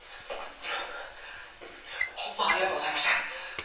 あのホンマありがとうございました。